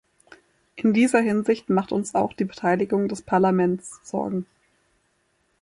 In dieser Hinsicht macht uns auch die Beteiligung des Parlaments Sorgen.